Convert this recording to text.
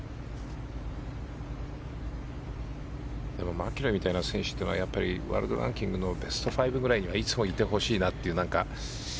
マキロイみたいな選手はワールドランキングのベスト５ぐらいにはいつもいてほしいという。